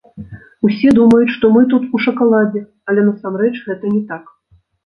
Усе думаюць, што мы тут у шакаладзе, але насамрэч гэта не так.